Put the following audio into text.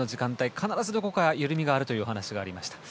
必ずどこか緩みがあるというお話がありました。